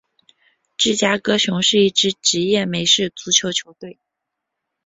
芝加哥熊是一支职业美式足球球队。